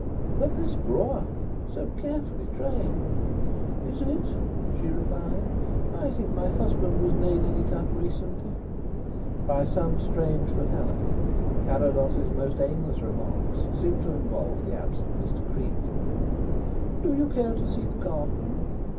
"But this Gloire, so carefully trained ?" "Is it?" she replied. "I think my husband was nailing it up recently." By some strange fatality Carrados's most aimless remarks seemed to involve the absent Mr. Creake. "Do you care to see the garden?"